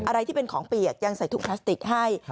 อะไรที่เป็นของเปียกยังใส่ถุงพลาสติกให้